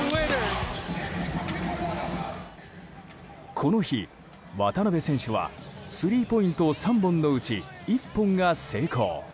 この日、渡邊選手はスリーポイント３本のうち１本が成功。